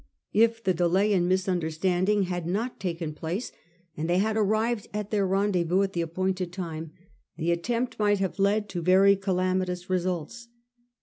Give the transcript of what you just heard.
If the delay and misunderstanding had not 122 A HISTORY OF OUR OWN TIMES. cn. t. taken place, and they had arrived at their rendezvous at the appointed time, the attempt might have led to very calamitous results.